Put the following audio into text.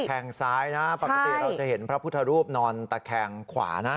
แทงซ้ายนะปกติเราจะเห็นพระพุทธรูปนอนตะแคงขวานะ